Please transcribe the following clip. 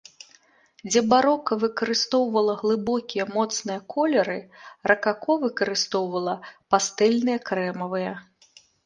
Дзе барока выкарыстоўвала глыбокія, моцныя колеры, ракако выкарыстоўвала пастэльныя, крэмавыя.